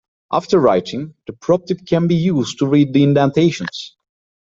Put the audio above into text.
After writing, the probe tip can be used to read the indentations.